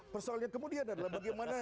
persoalannya kemudian adalah bagaimana